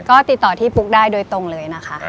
ก็ติดต่อที่ปุ๊กได้โดยตรงเลยนะคะ